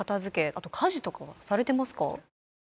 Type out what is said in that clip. あと家事とかはされてますか？